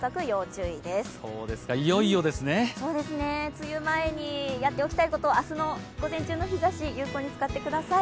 梅雨前にやっておきたいこと明日の午前中の日ざし、有効に使ってください。